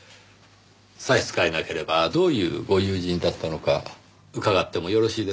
差し支えなければどういうご友人だったのか伺ってもよろしいですか？